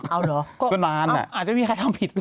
เอาเหรอก็นานอาจจะไม่มีใครทำผิด